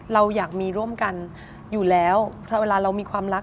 เราอยากมีร่วมกันอยู่แล้วเวลาเรามีความรัก